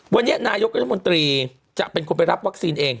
วันนี้นายกรัฐมนตรีจะเป็นคนไปรับวัคซีนเอง